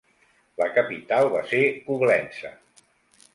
La capital va ser Coblença.